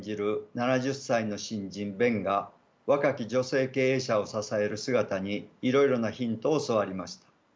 ７０歳の新人ベンが若き女性経営者を支える姿にいろいろなヒントを教わりました。